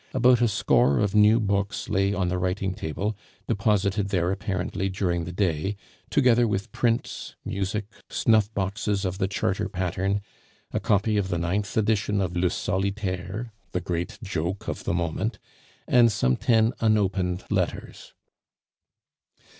About a score of new books lay on the writing table, deposited there apparently during the day, together with prints, music, snuff boxes of the "Charter" pattern, a copy of the ninth edition of Le Solitaire (the great joke of the moment), and some ten unopened letters.